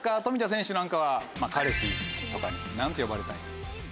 冨田選手なんかは彼氏とかに何て呼ばれたいですか？